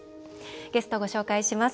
ゲスト、ご紹介します。